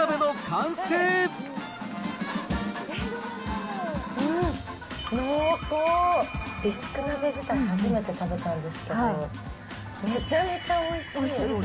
初めて食べたんですけど、めちゃめちゃおいしい。